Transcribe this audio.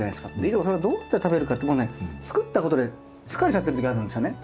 いつもそれをどうやって食べるかってもうね作ったことで疲れちゃってる時あるんですよね。